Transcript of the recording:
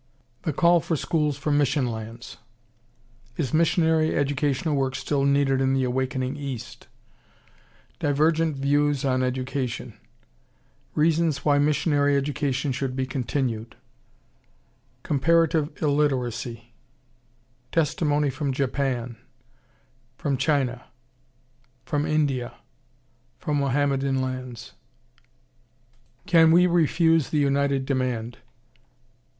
The call for schools from Mission Lands Is missionary educational work still needed in the awakening East? Divergent views on education Reasons why missionary education should be continued Comparative illiteracy Testimony from Japan From China From India From Mohammedan lands Can we refuse the united demand?